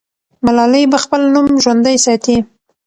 ملالۍ به خپل نوم ژوندی ساتي.